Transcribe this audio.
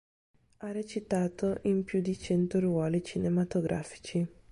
Ha recitato in più di cento ruoli cinematografici.